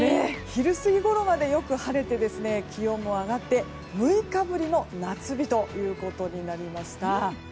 昼過ぎごろまでよく晴れて気温も上がって６日ぶりの夏日となりました。